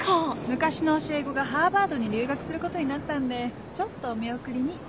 昔の教え子がハーバードに留学することになったんでちょっとお見送りに。